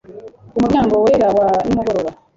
Ku muryango wera wa nimugoroba